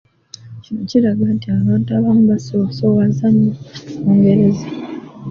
Kino kiraga nti abantu abamu basoosowaza nnyo Olungereza.